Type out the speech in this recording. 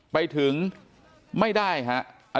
ไปถึงไม่ได้ฮะ